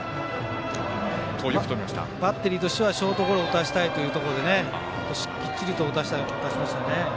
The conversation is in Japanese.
バッテリーとしてはショートゴロを打たせたいところできっちりと打たせましたよね。